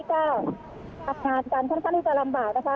ประหลาดการณ์ท่านศักดิ์จะลำบากนะคะ